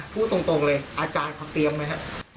พูดตรงเลยอาจารย์เขาเตรียมไหมครับ